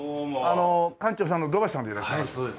館長さんの土橋さんでいらっしゃいます？